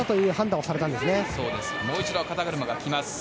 もう一度肩車が来ます。